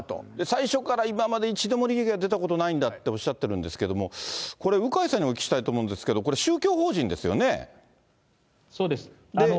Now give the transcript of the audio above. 最初から今まで、一度も利益が出たことないんだっていうふうにおっしゃってるんですけど、これ、鵜飼さんにお聞きしたいと思うんですけど、そうです。